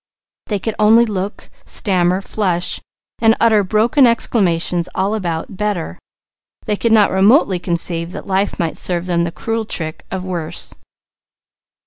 They could only look, stammer, flush, and utter broken exclamations, all about "better." They could not remotely conceive that life might serve them the cruel trick of "worse."